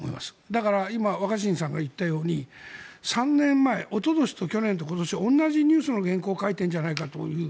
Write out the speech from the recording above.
だから今、若新さんが言ったように３年前、おととしと去年と今年同じニュースの原稿を書いてるんじゃないかっていう。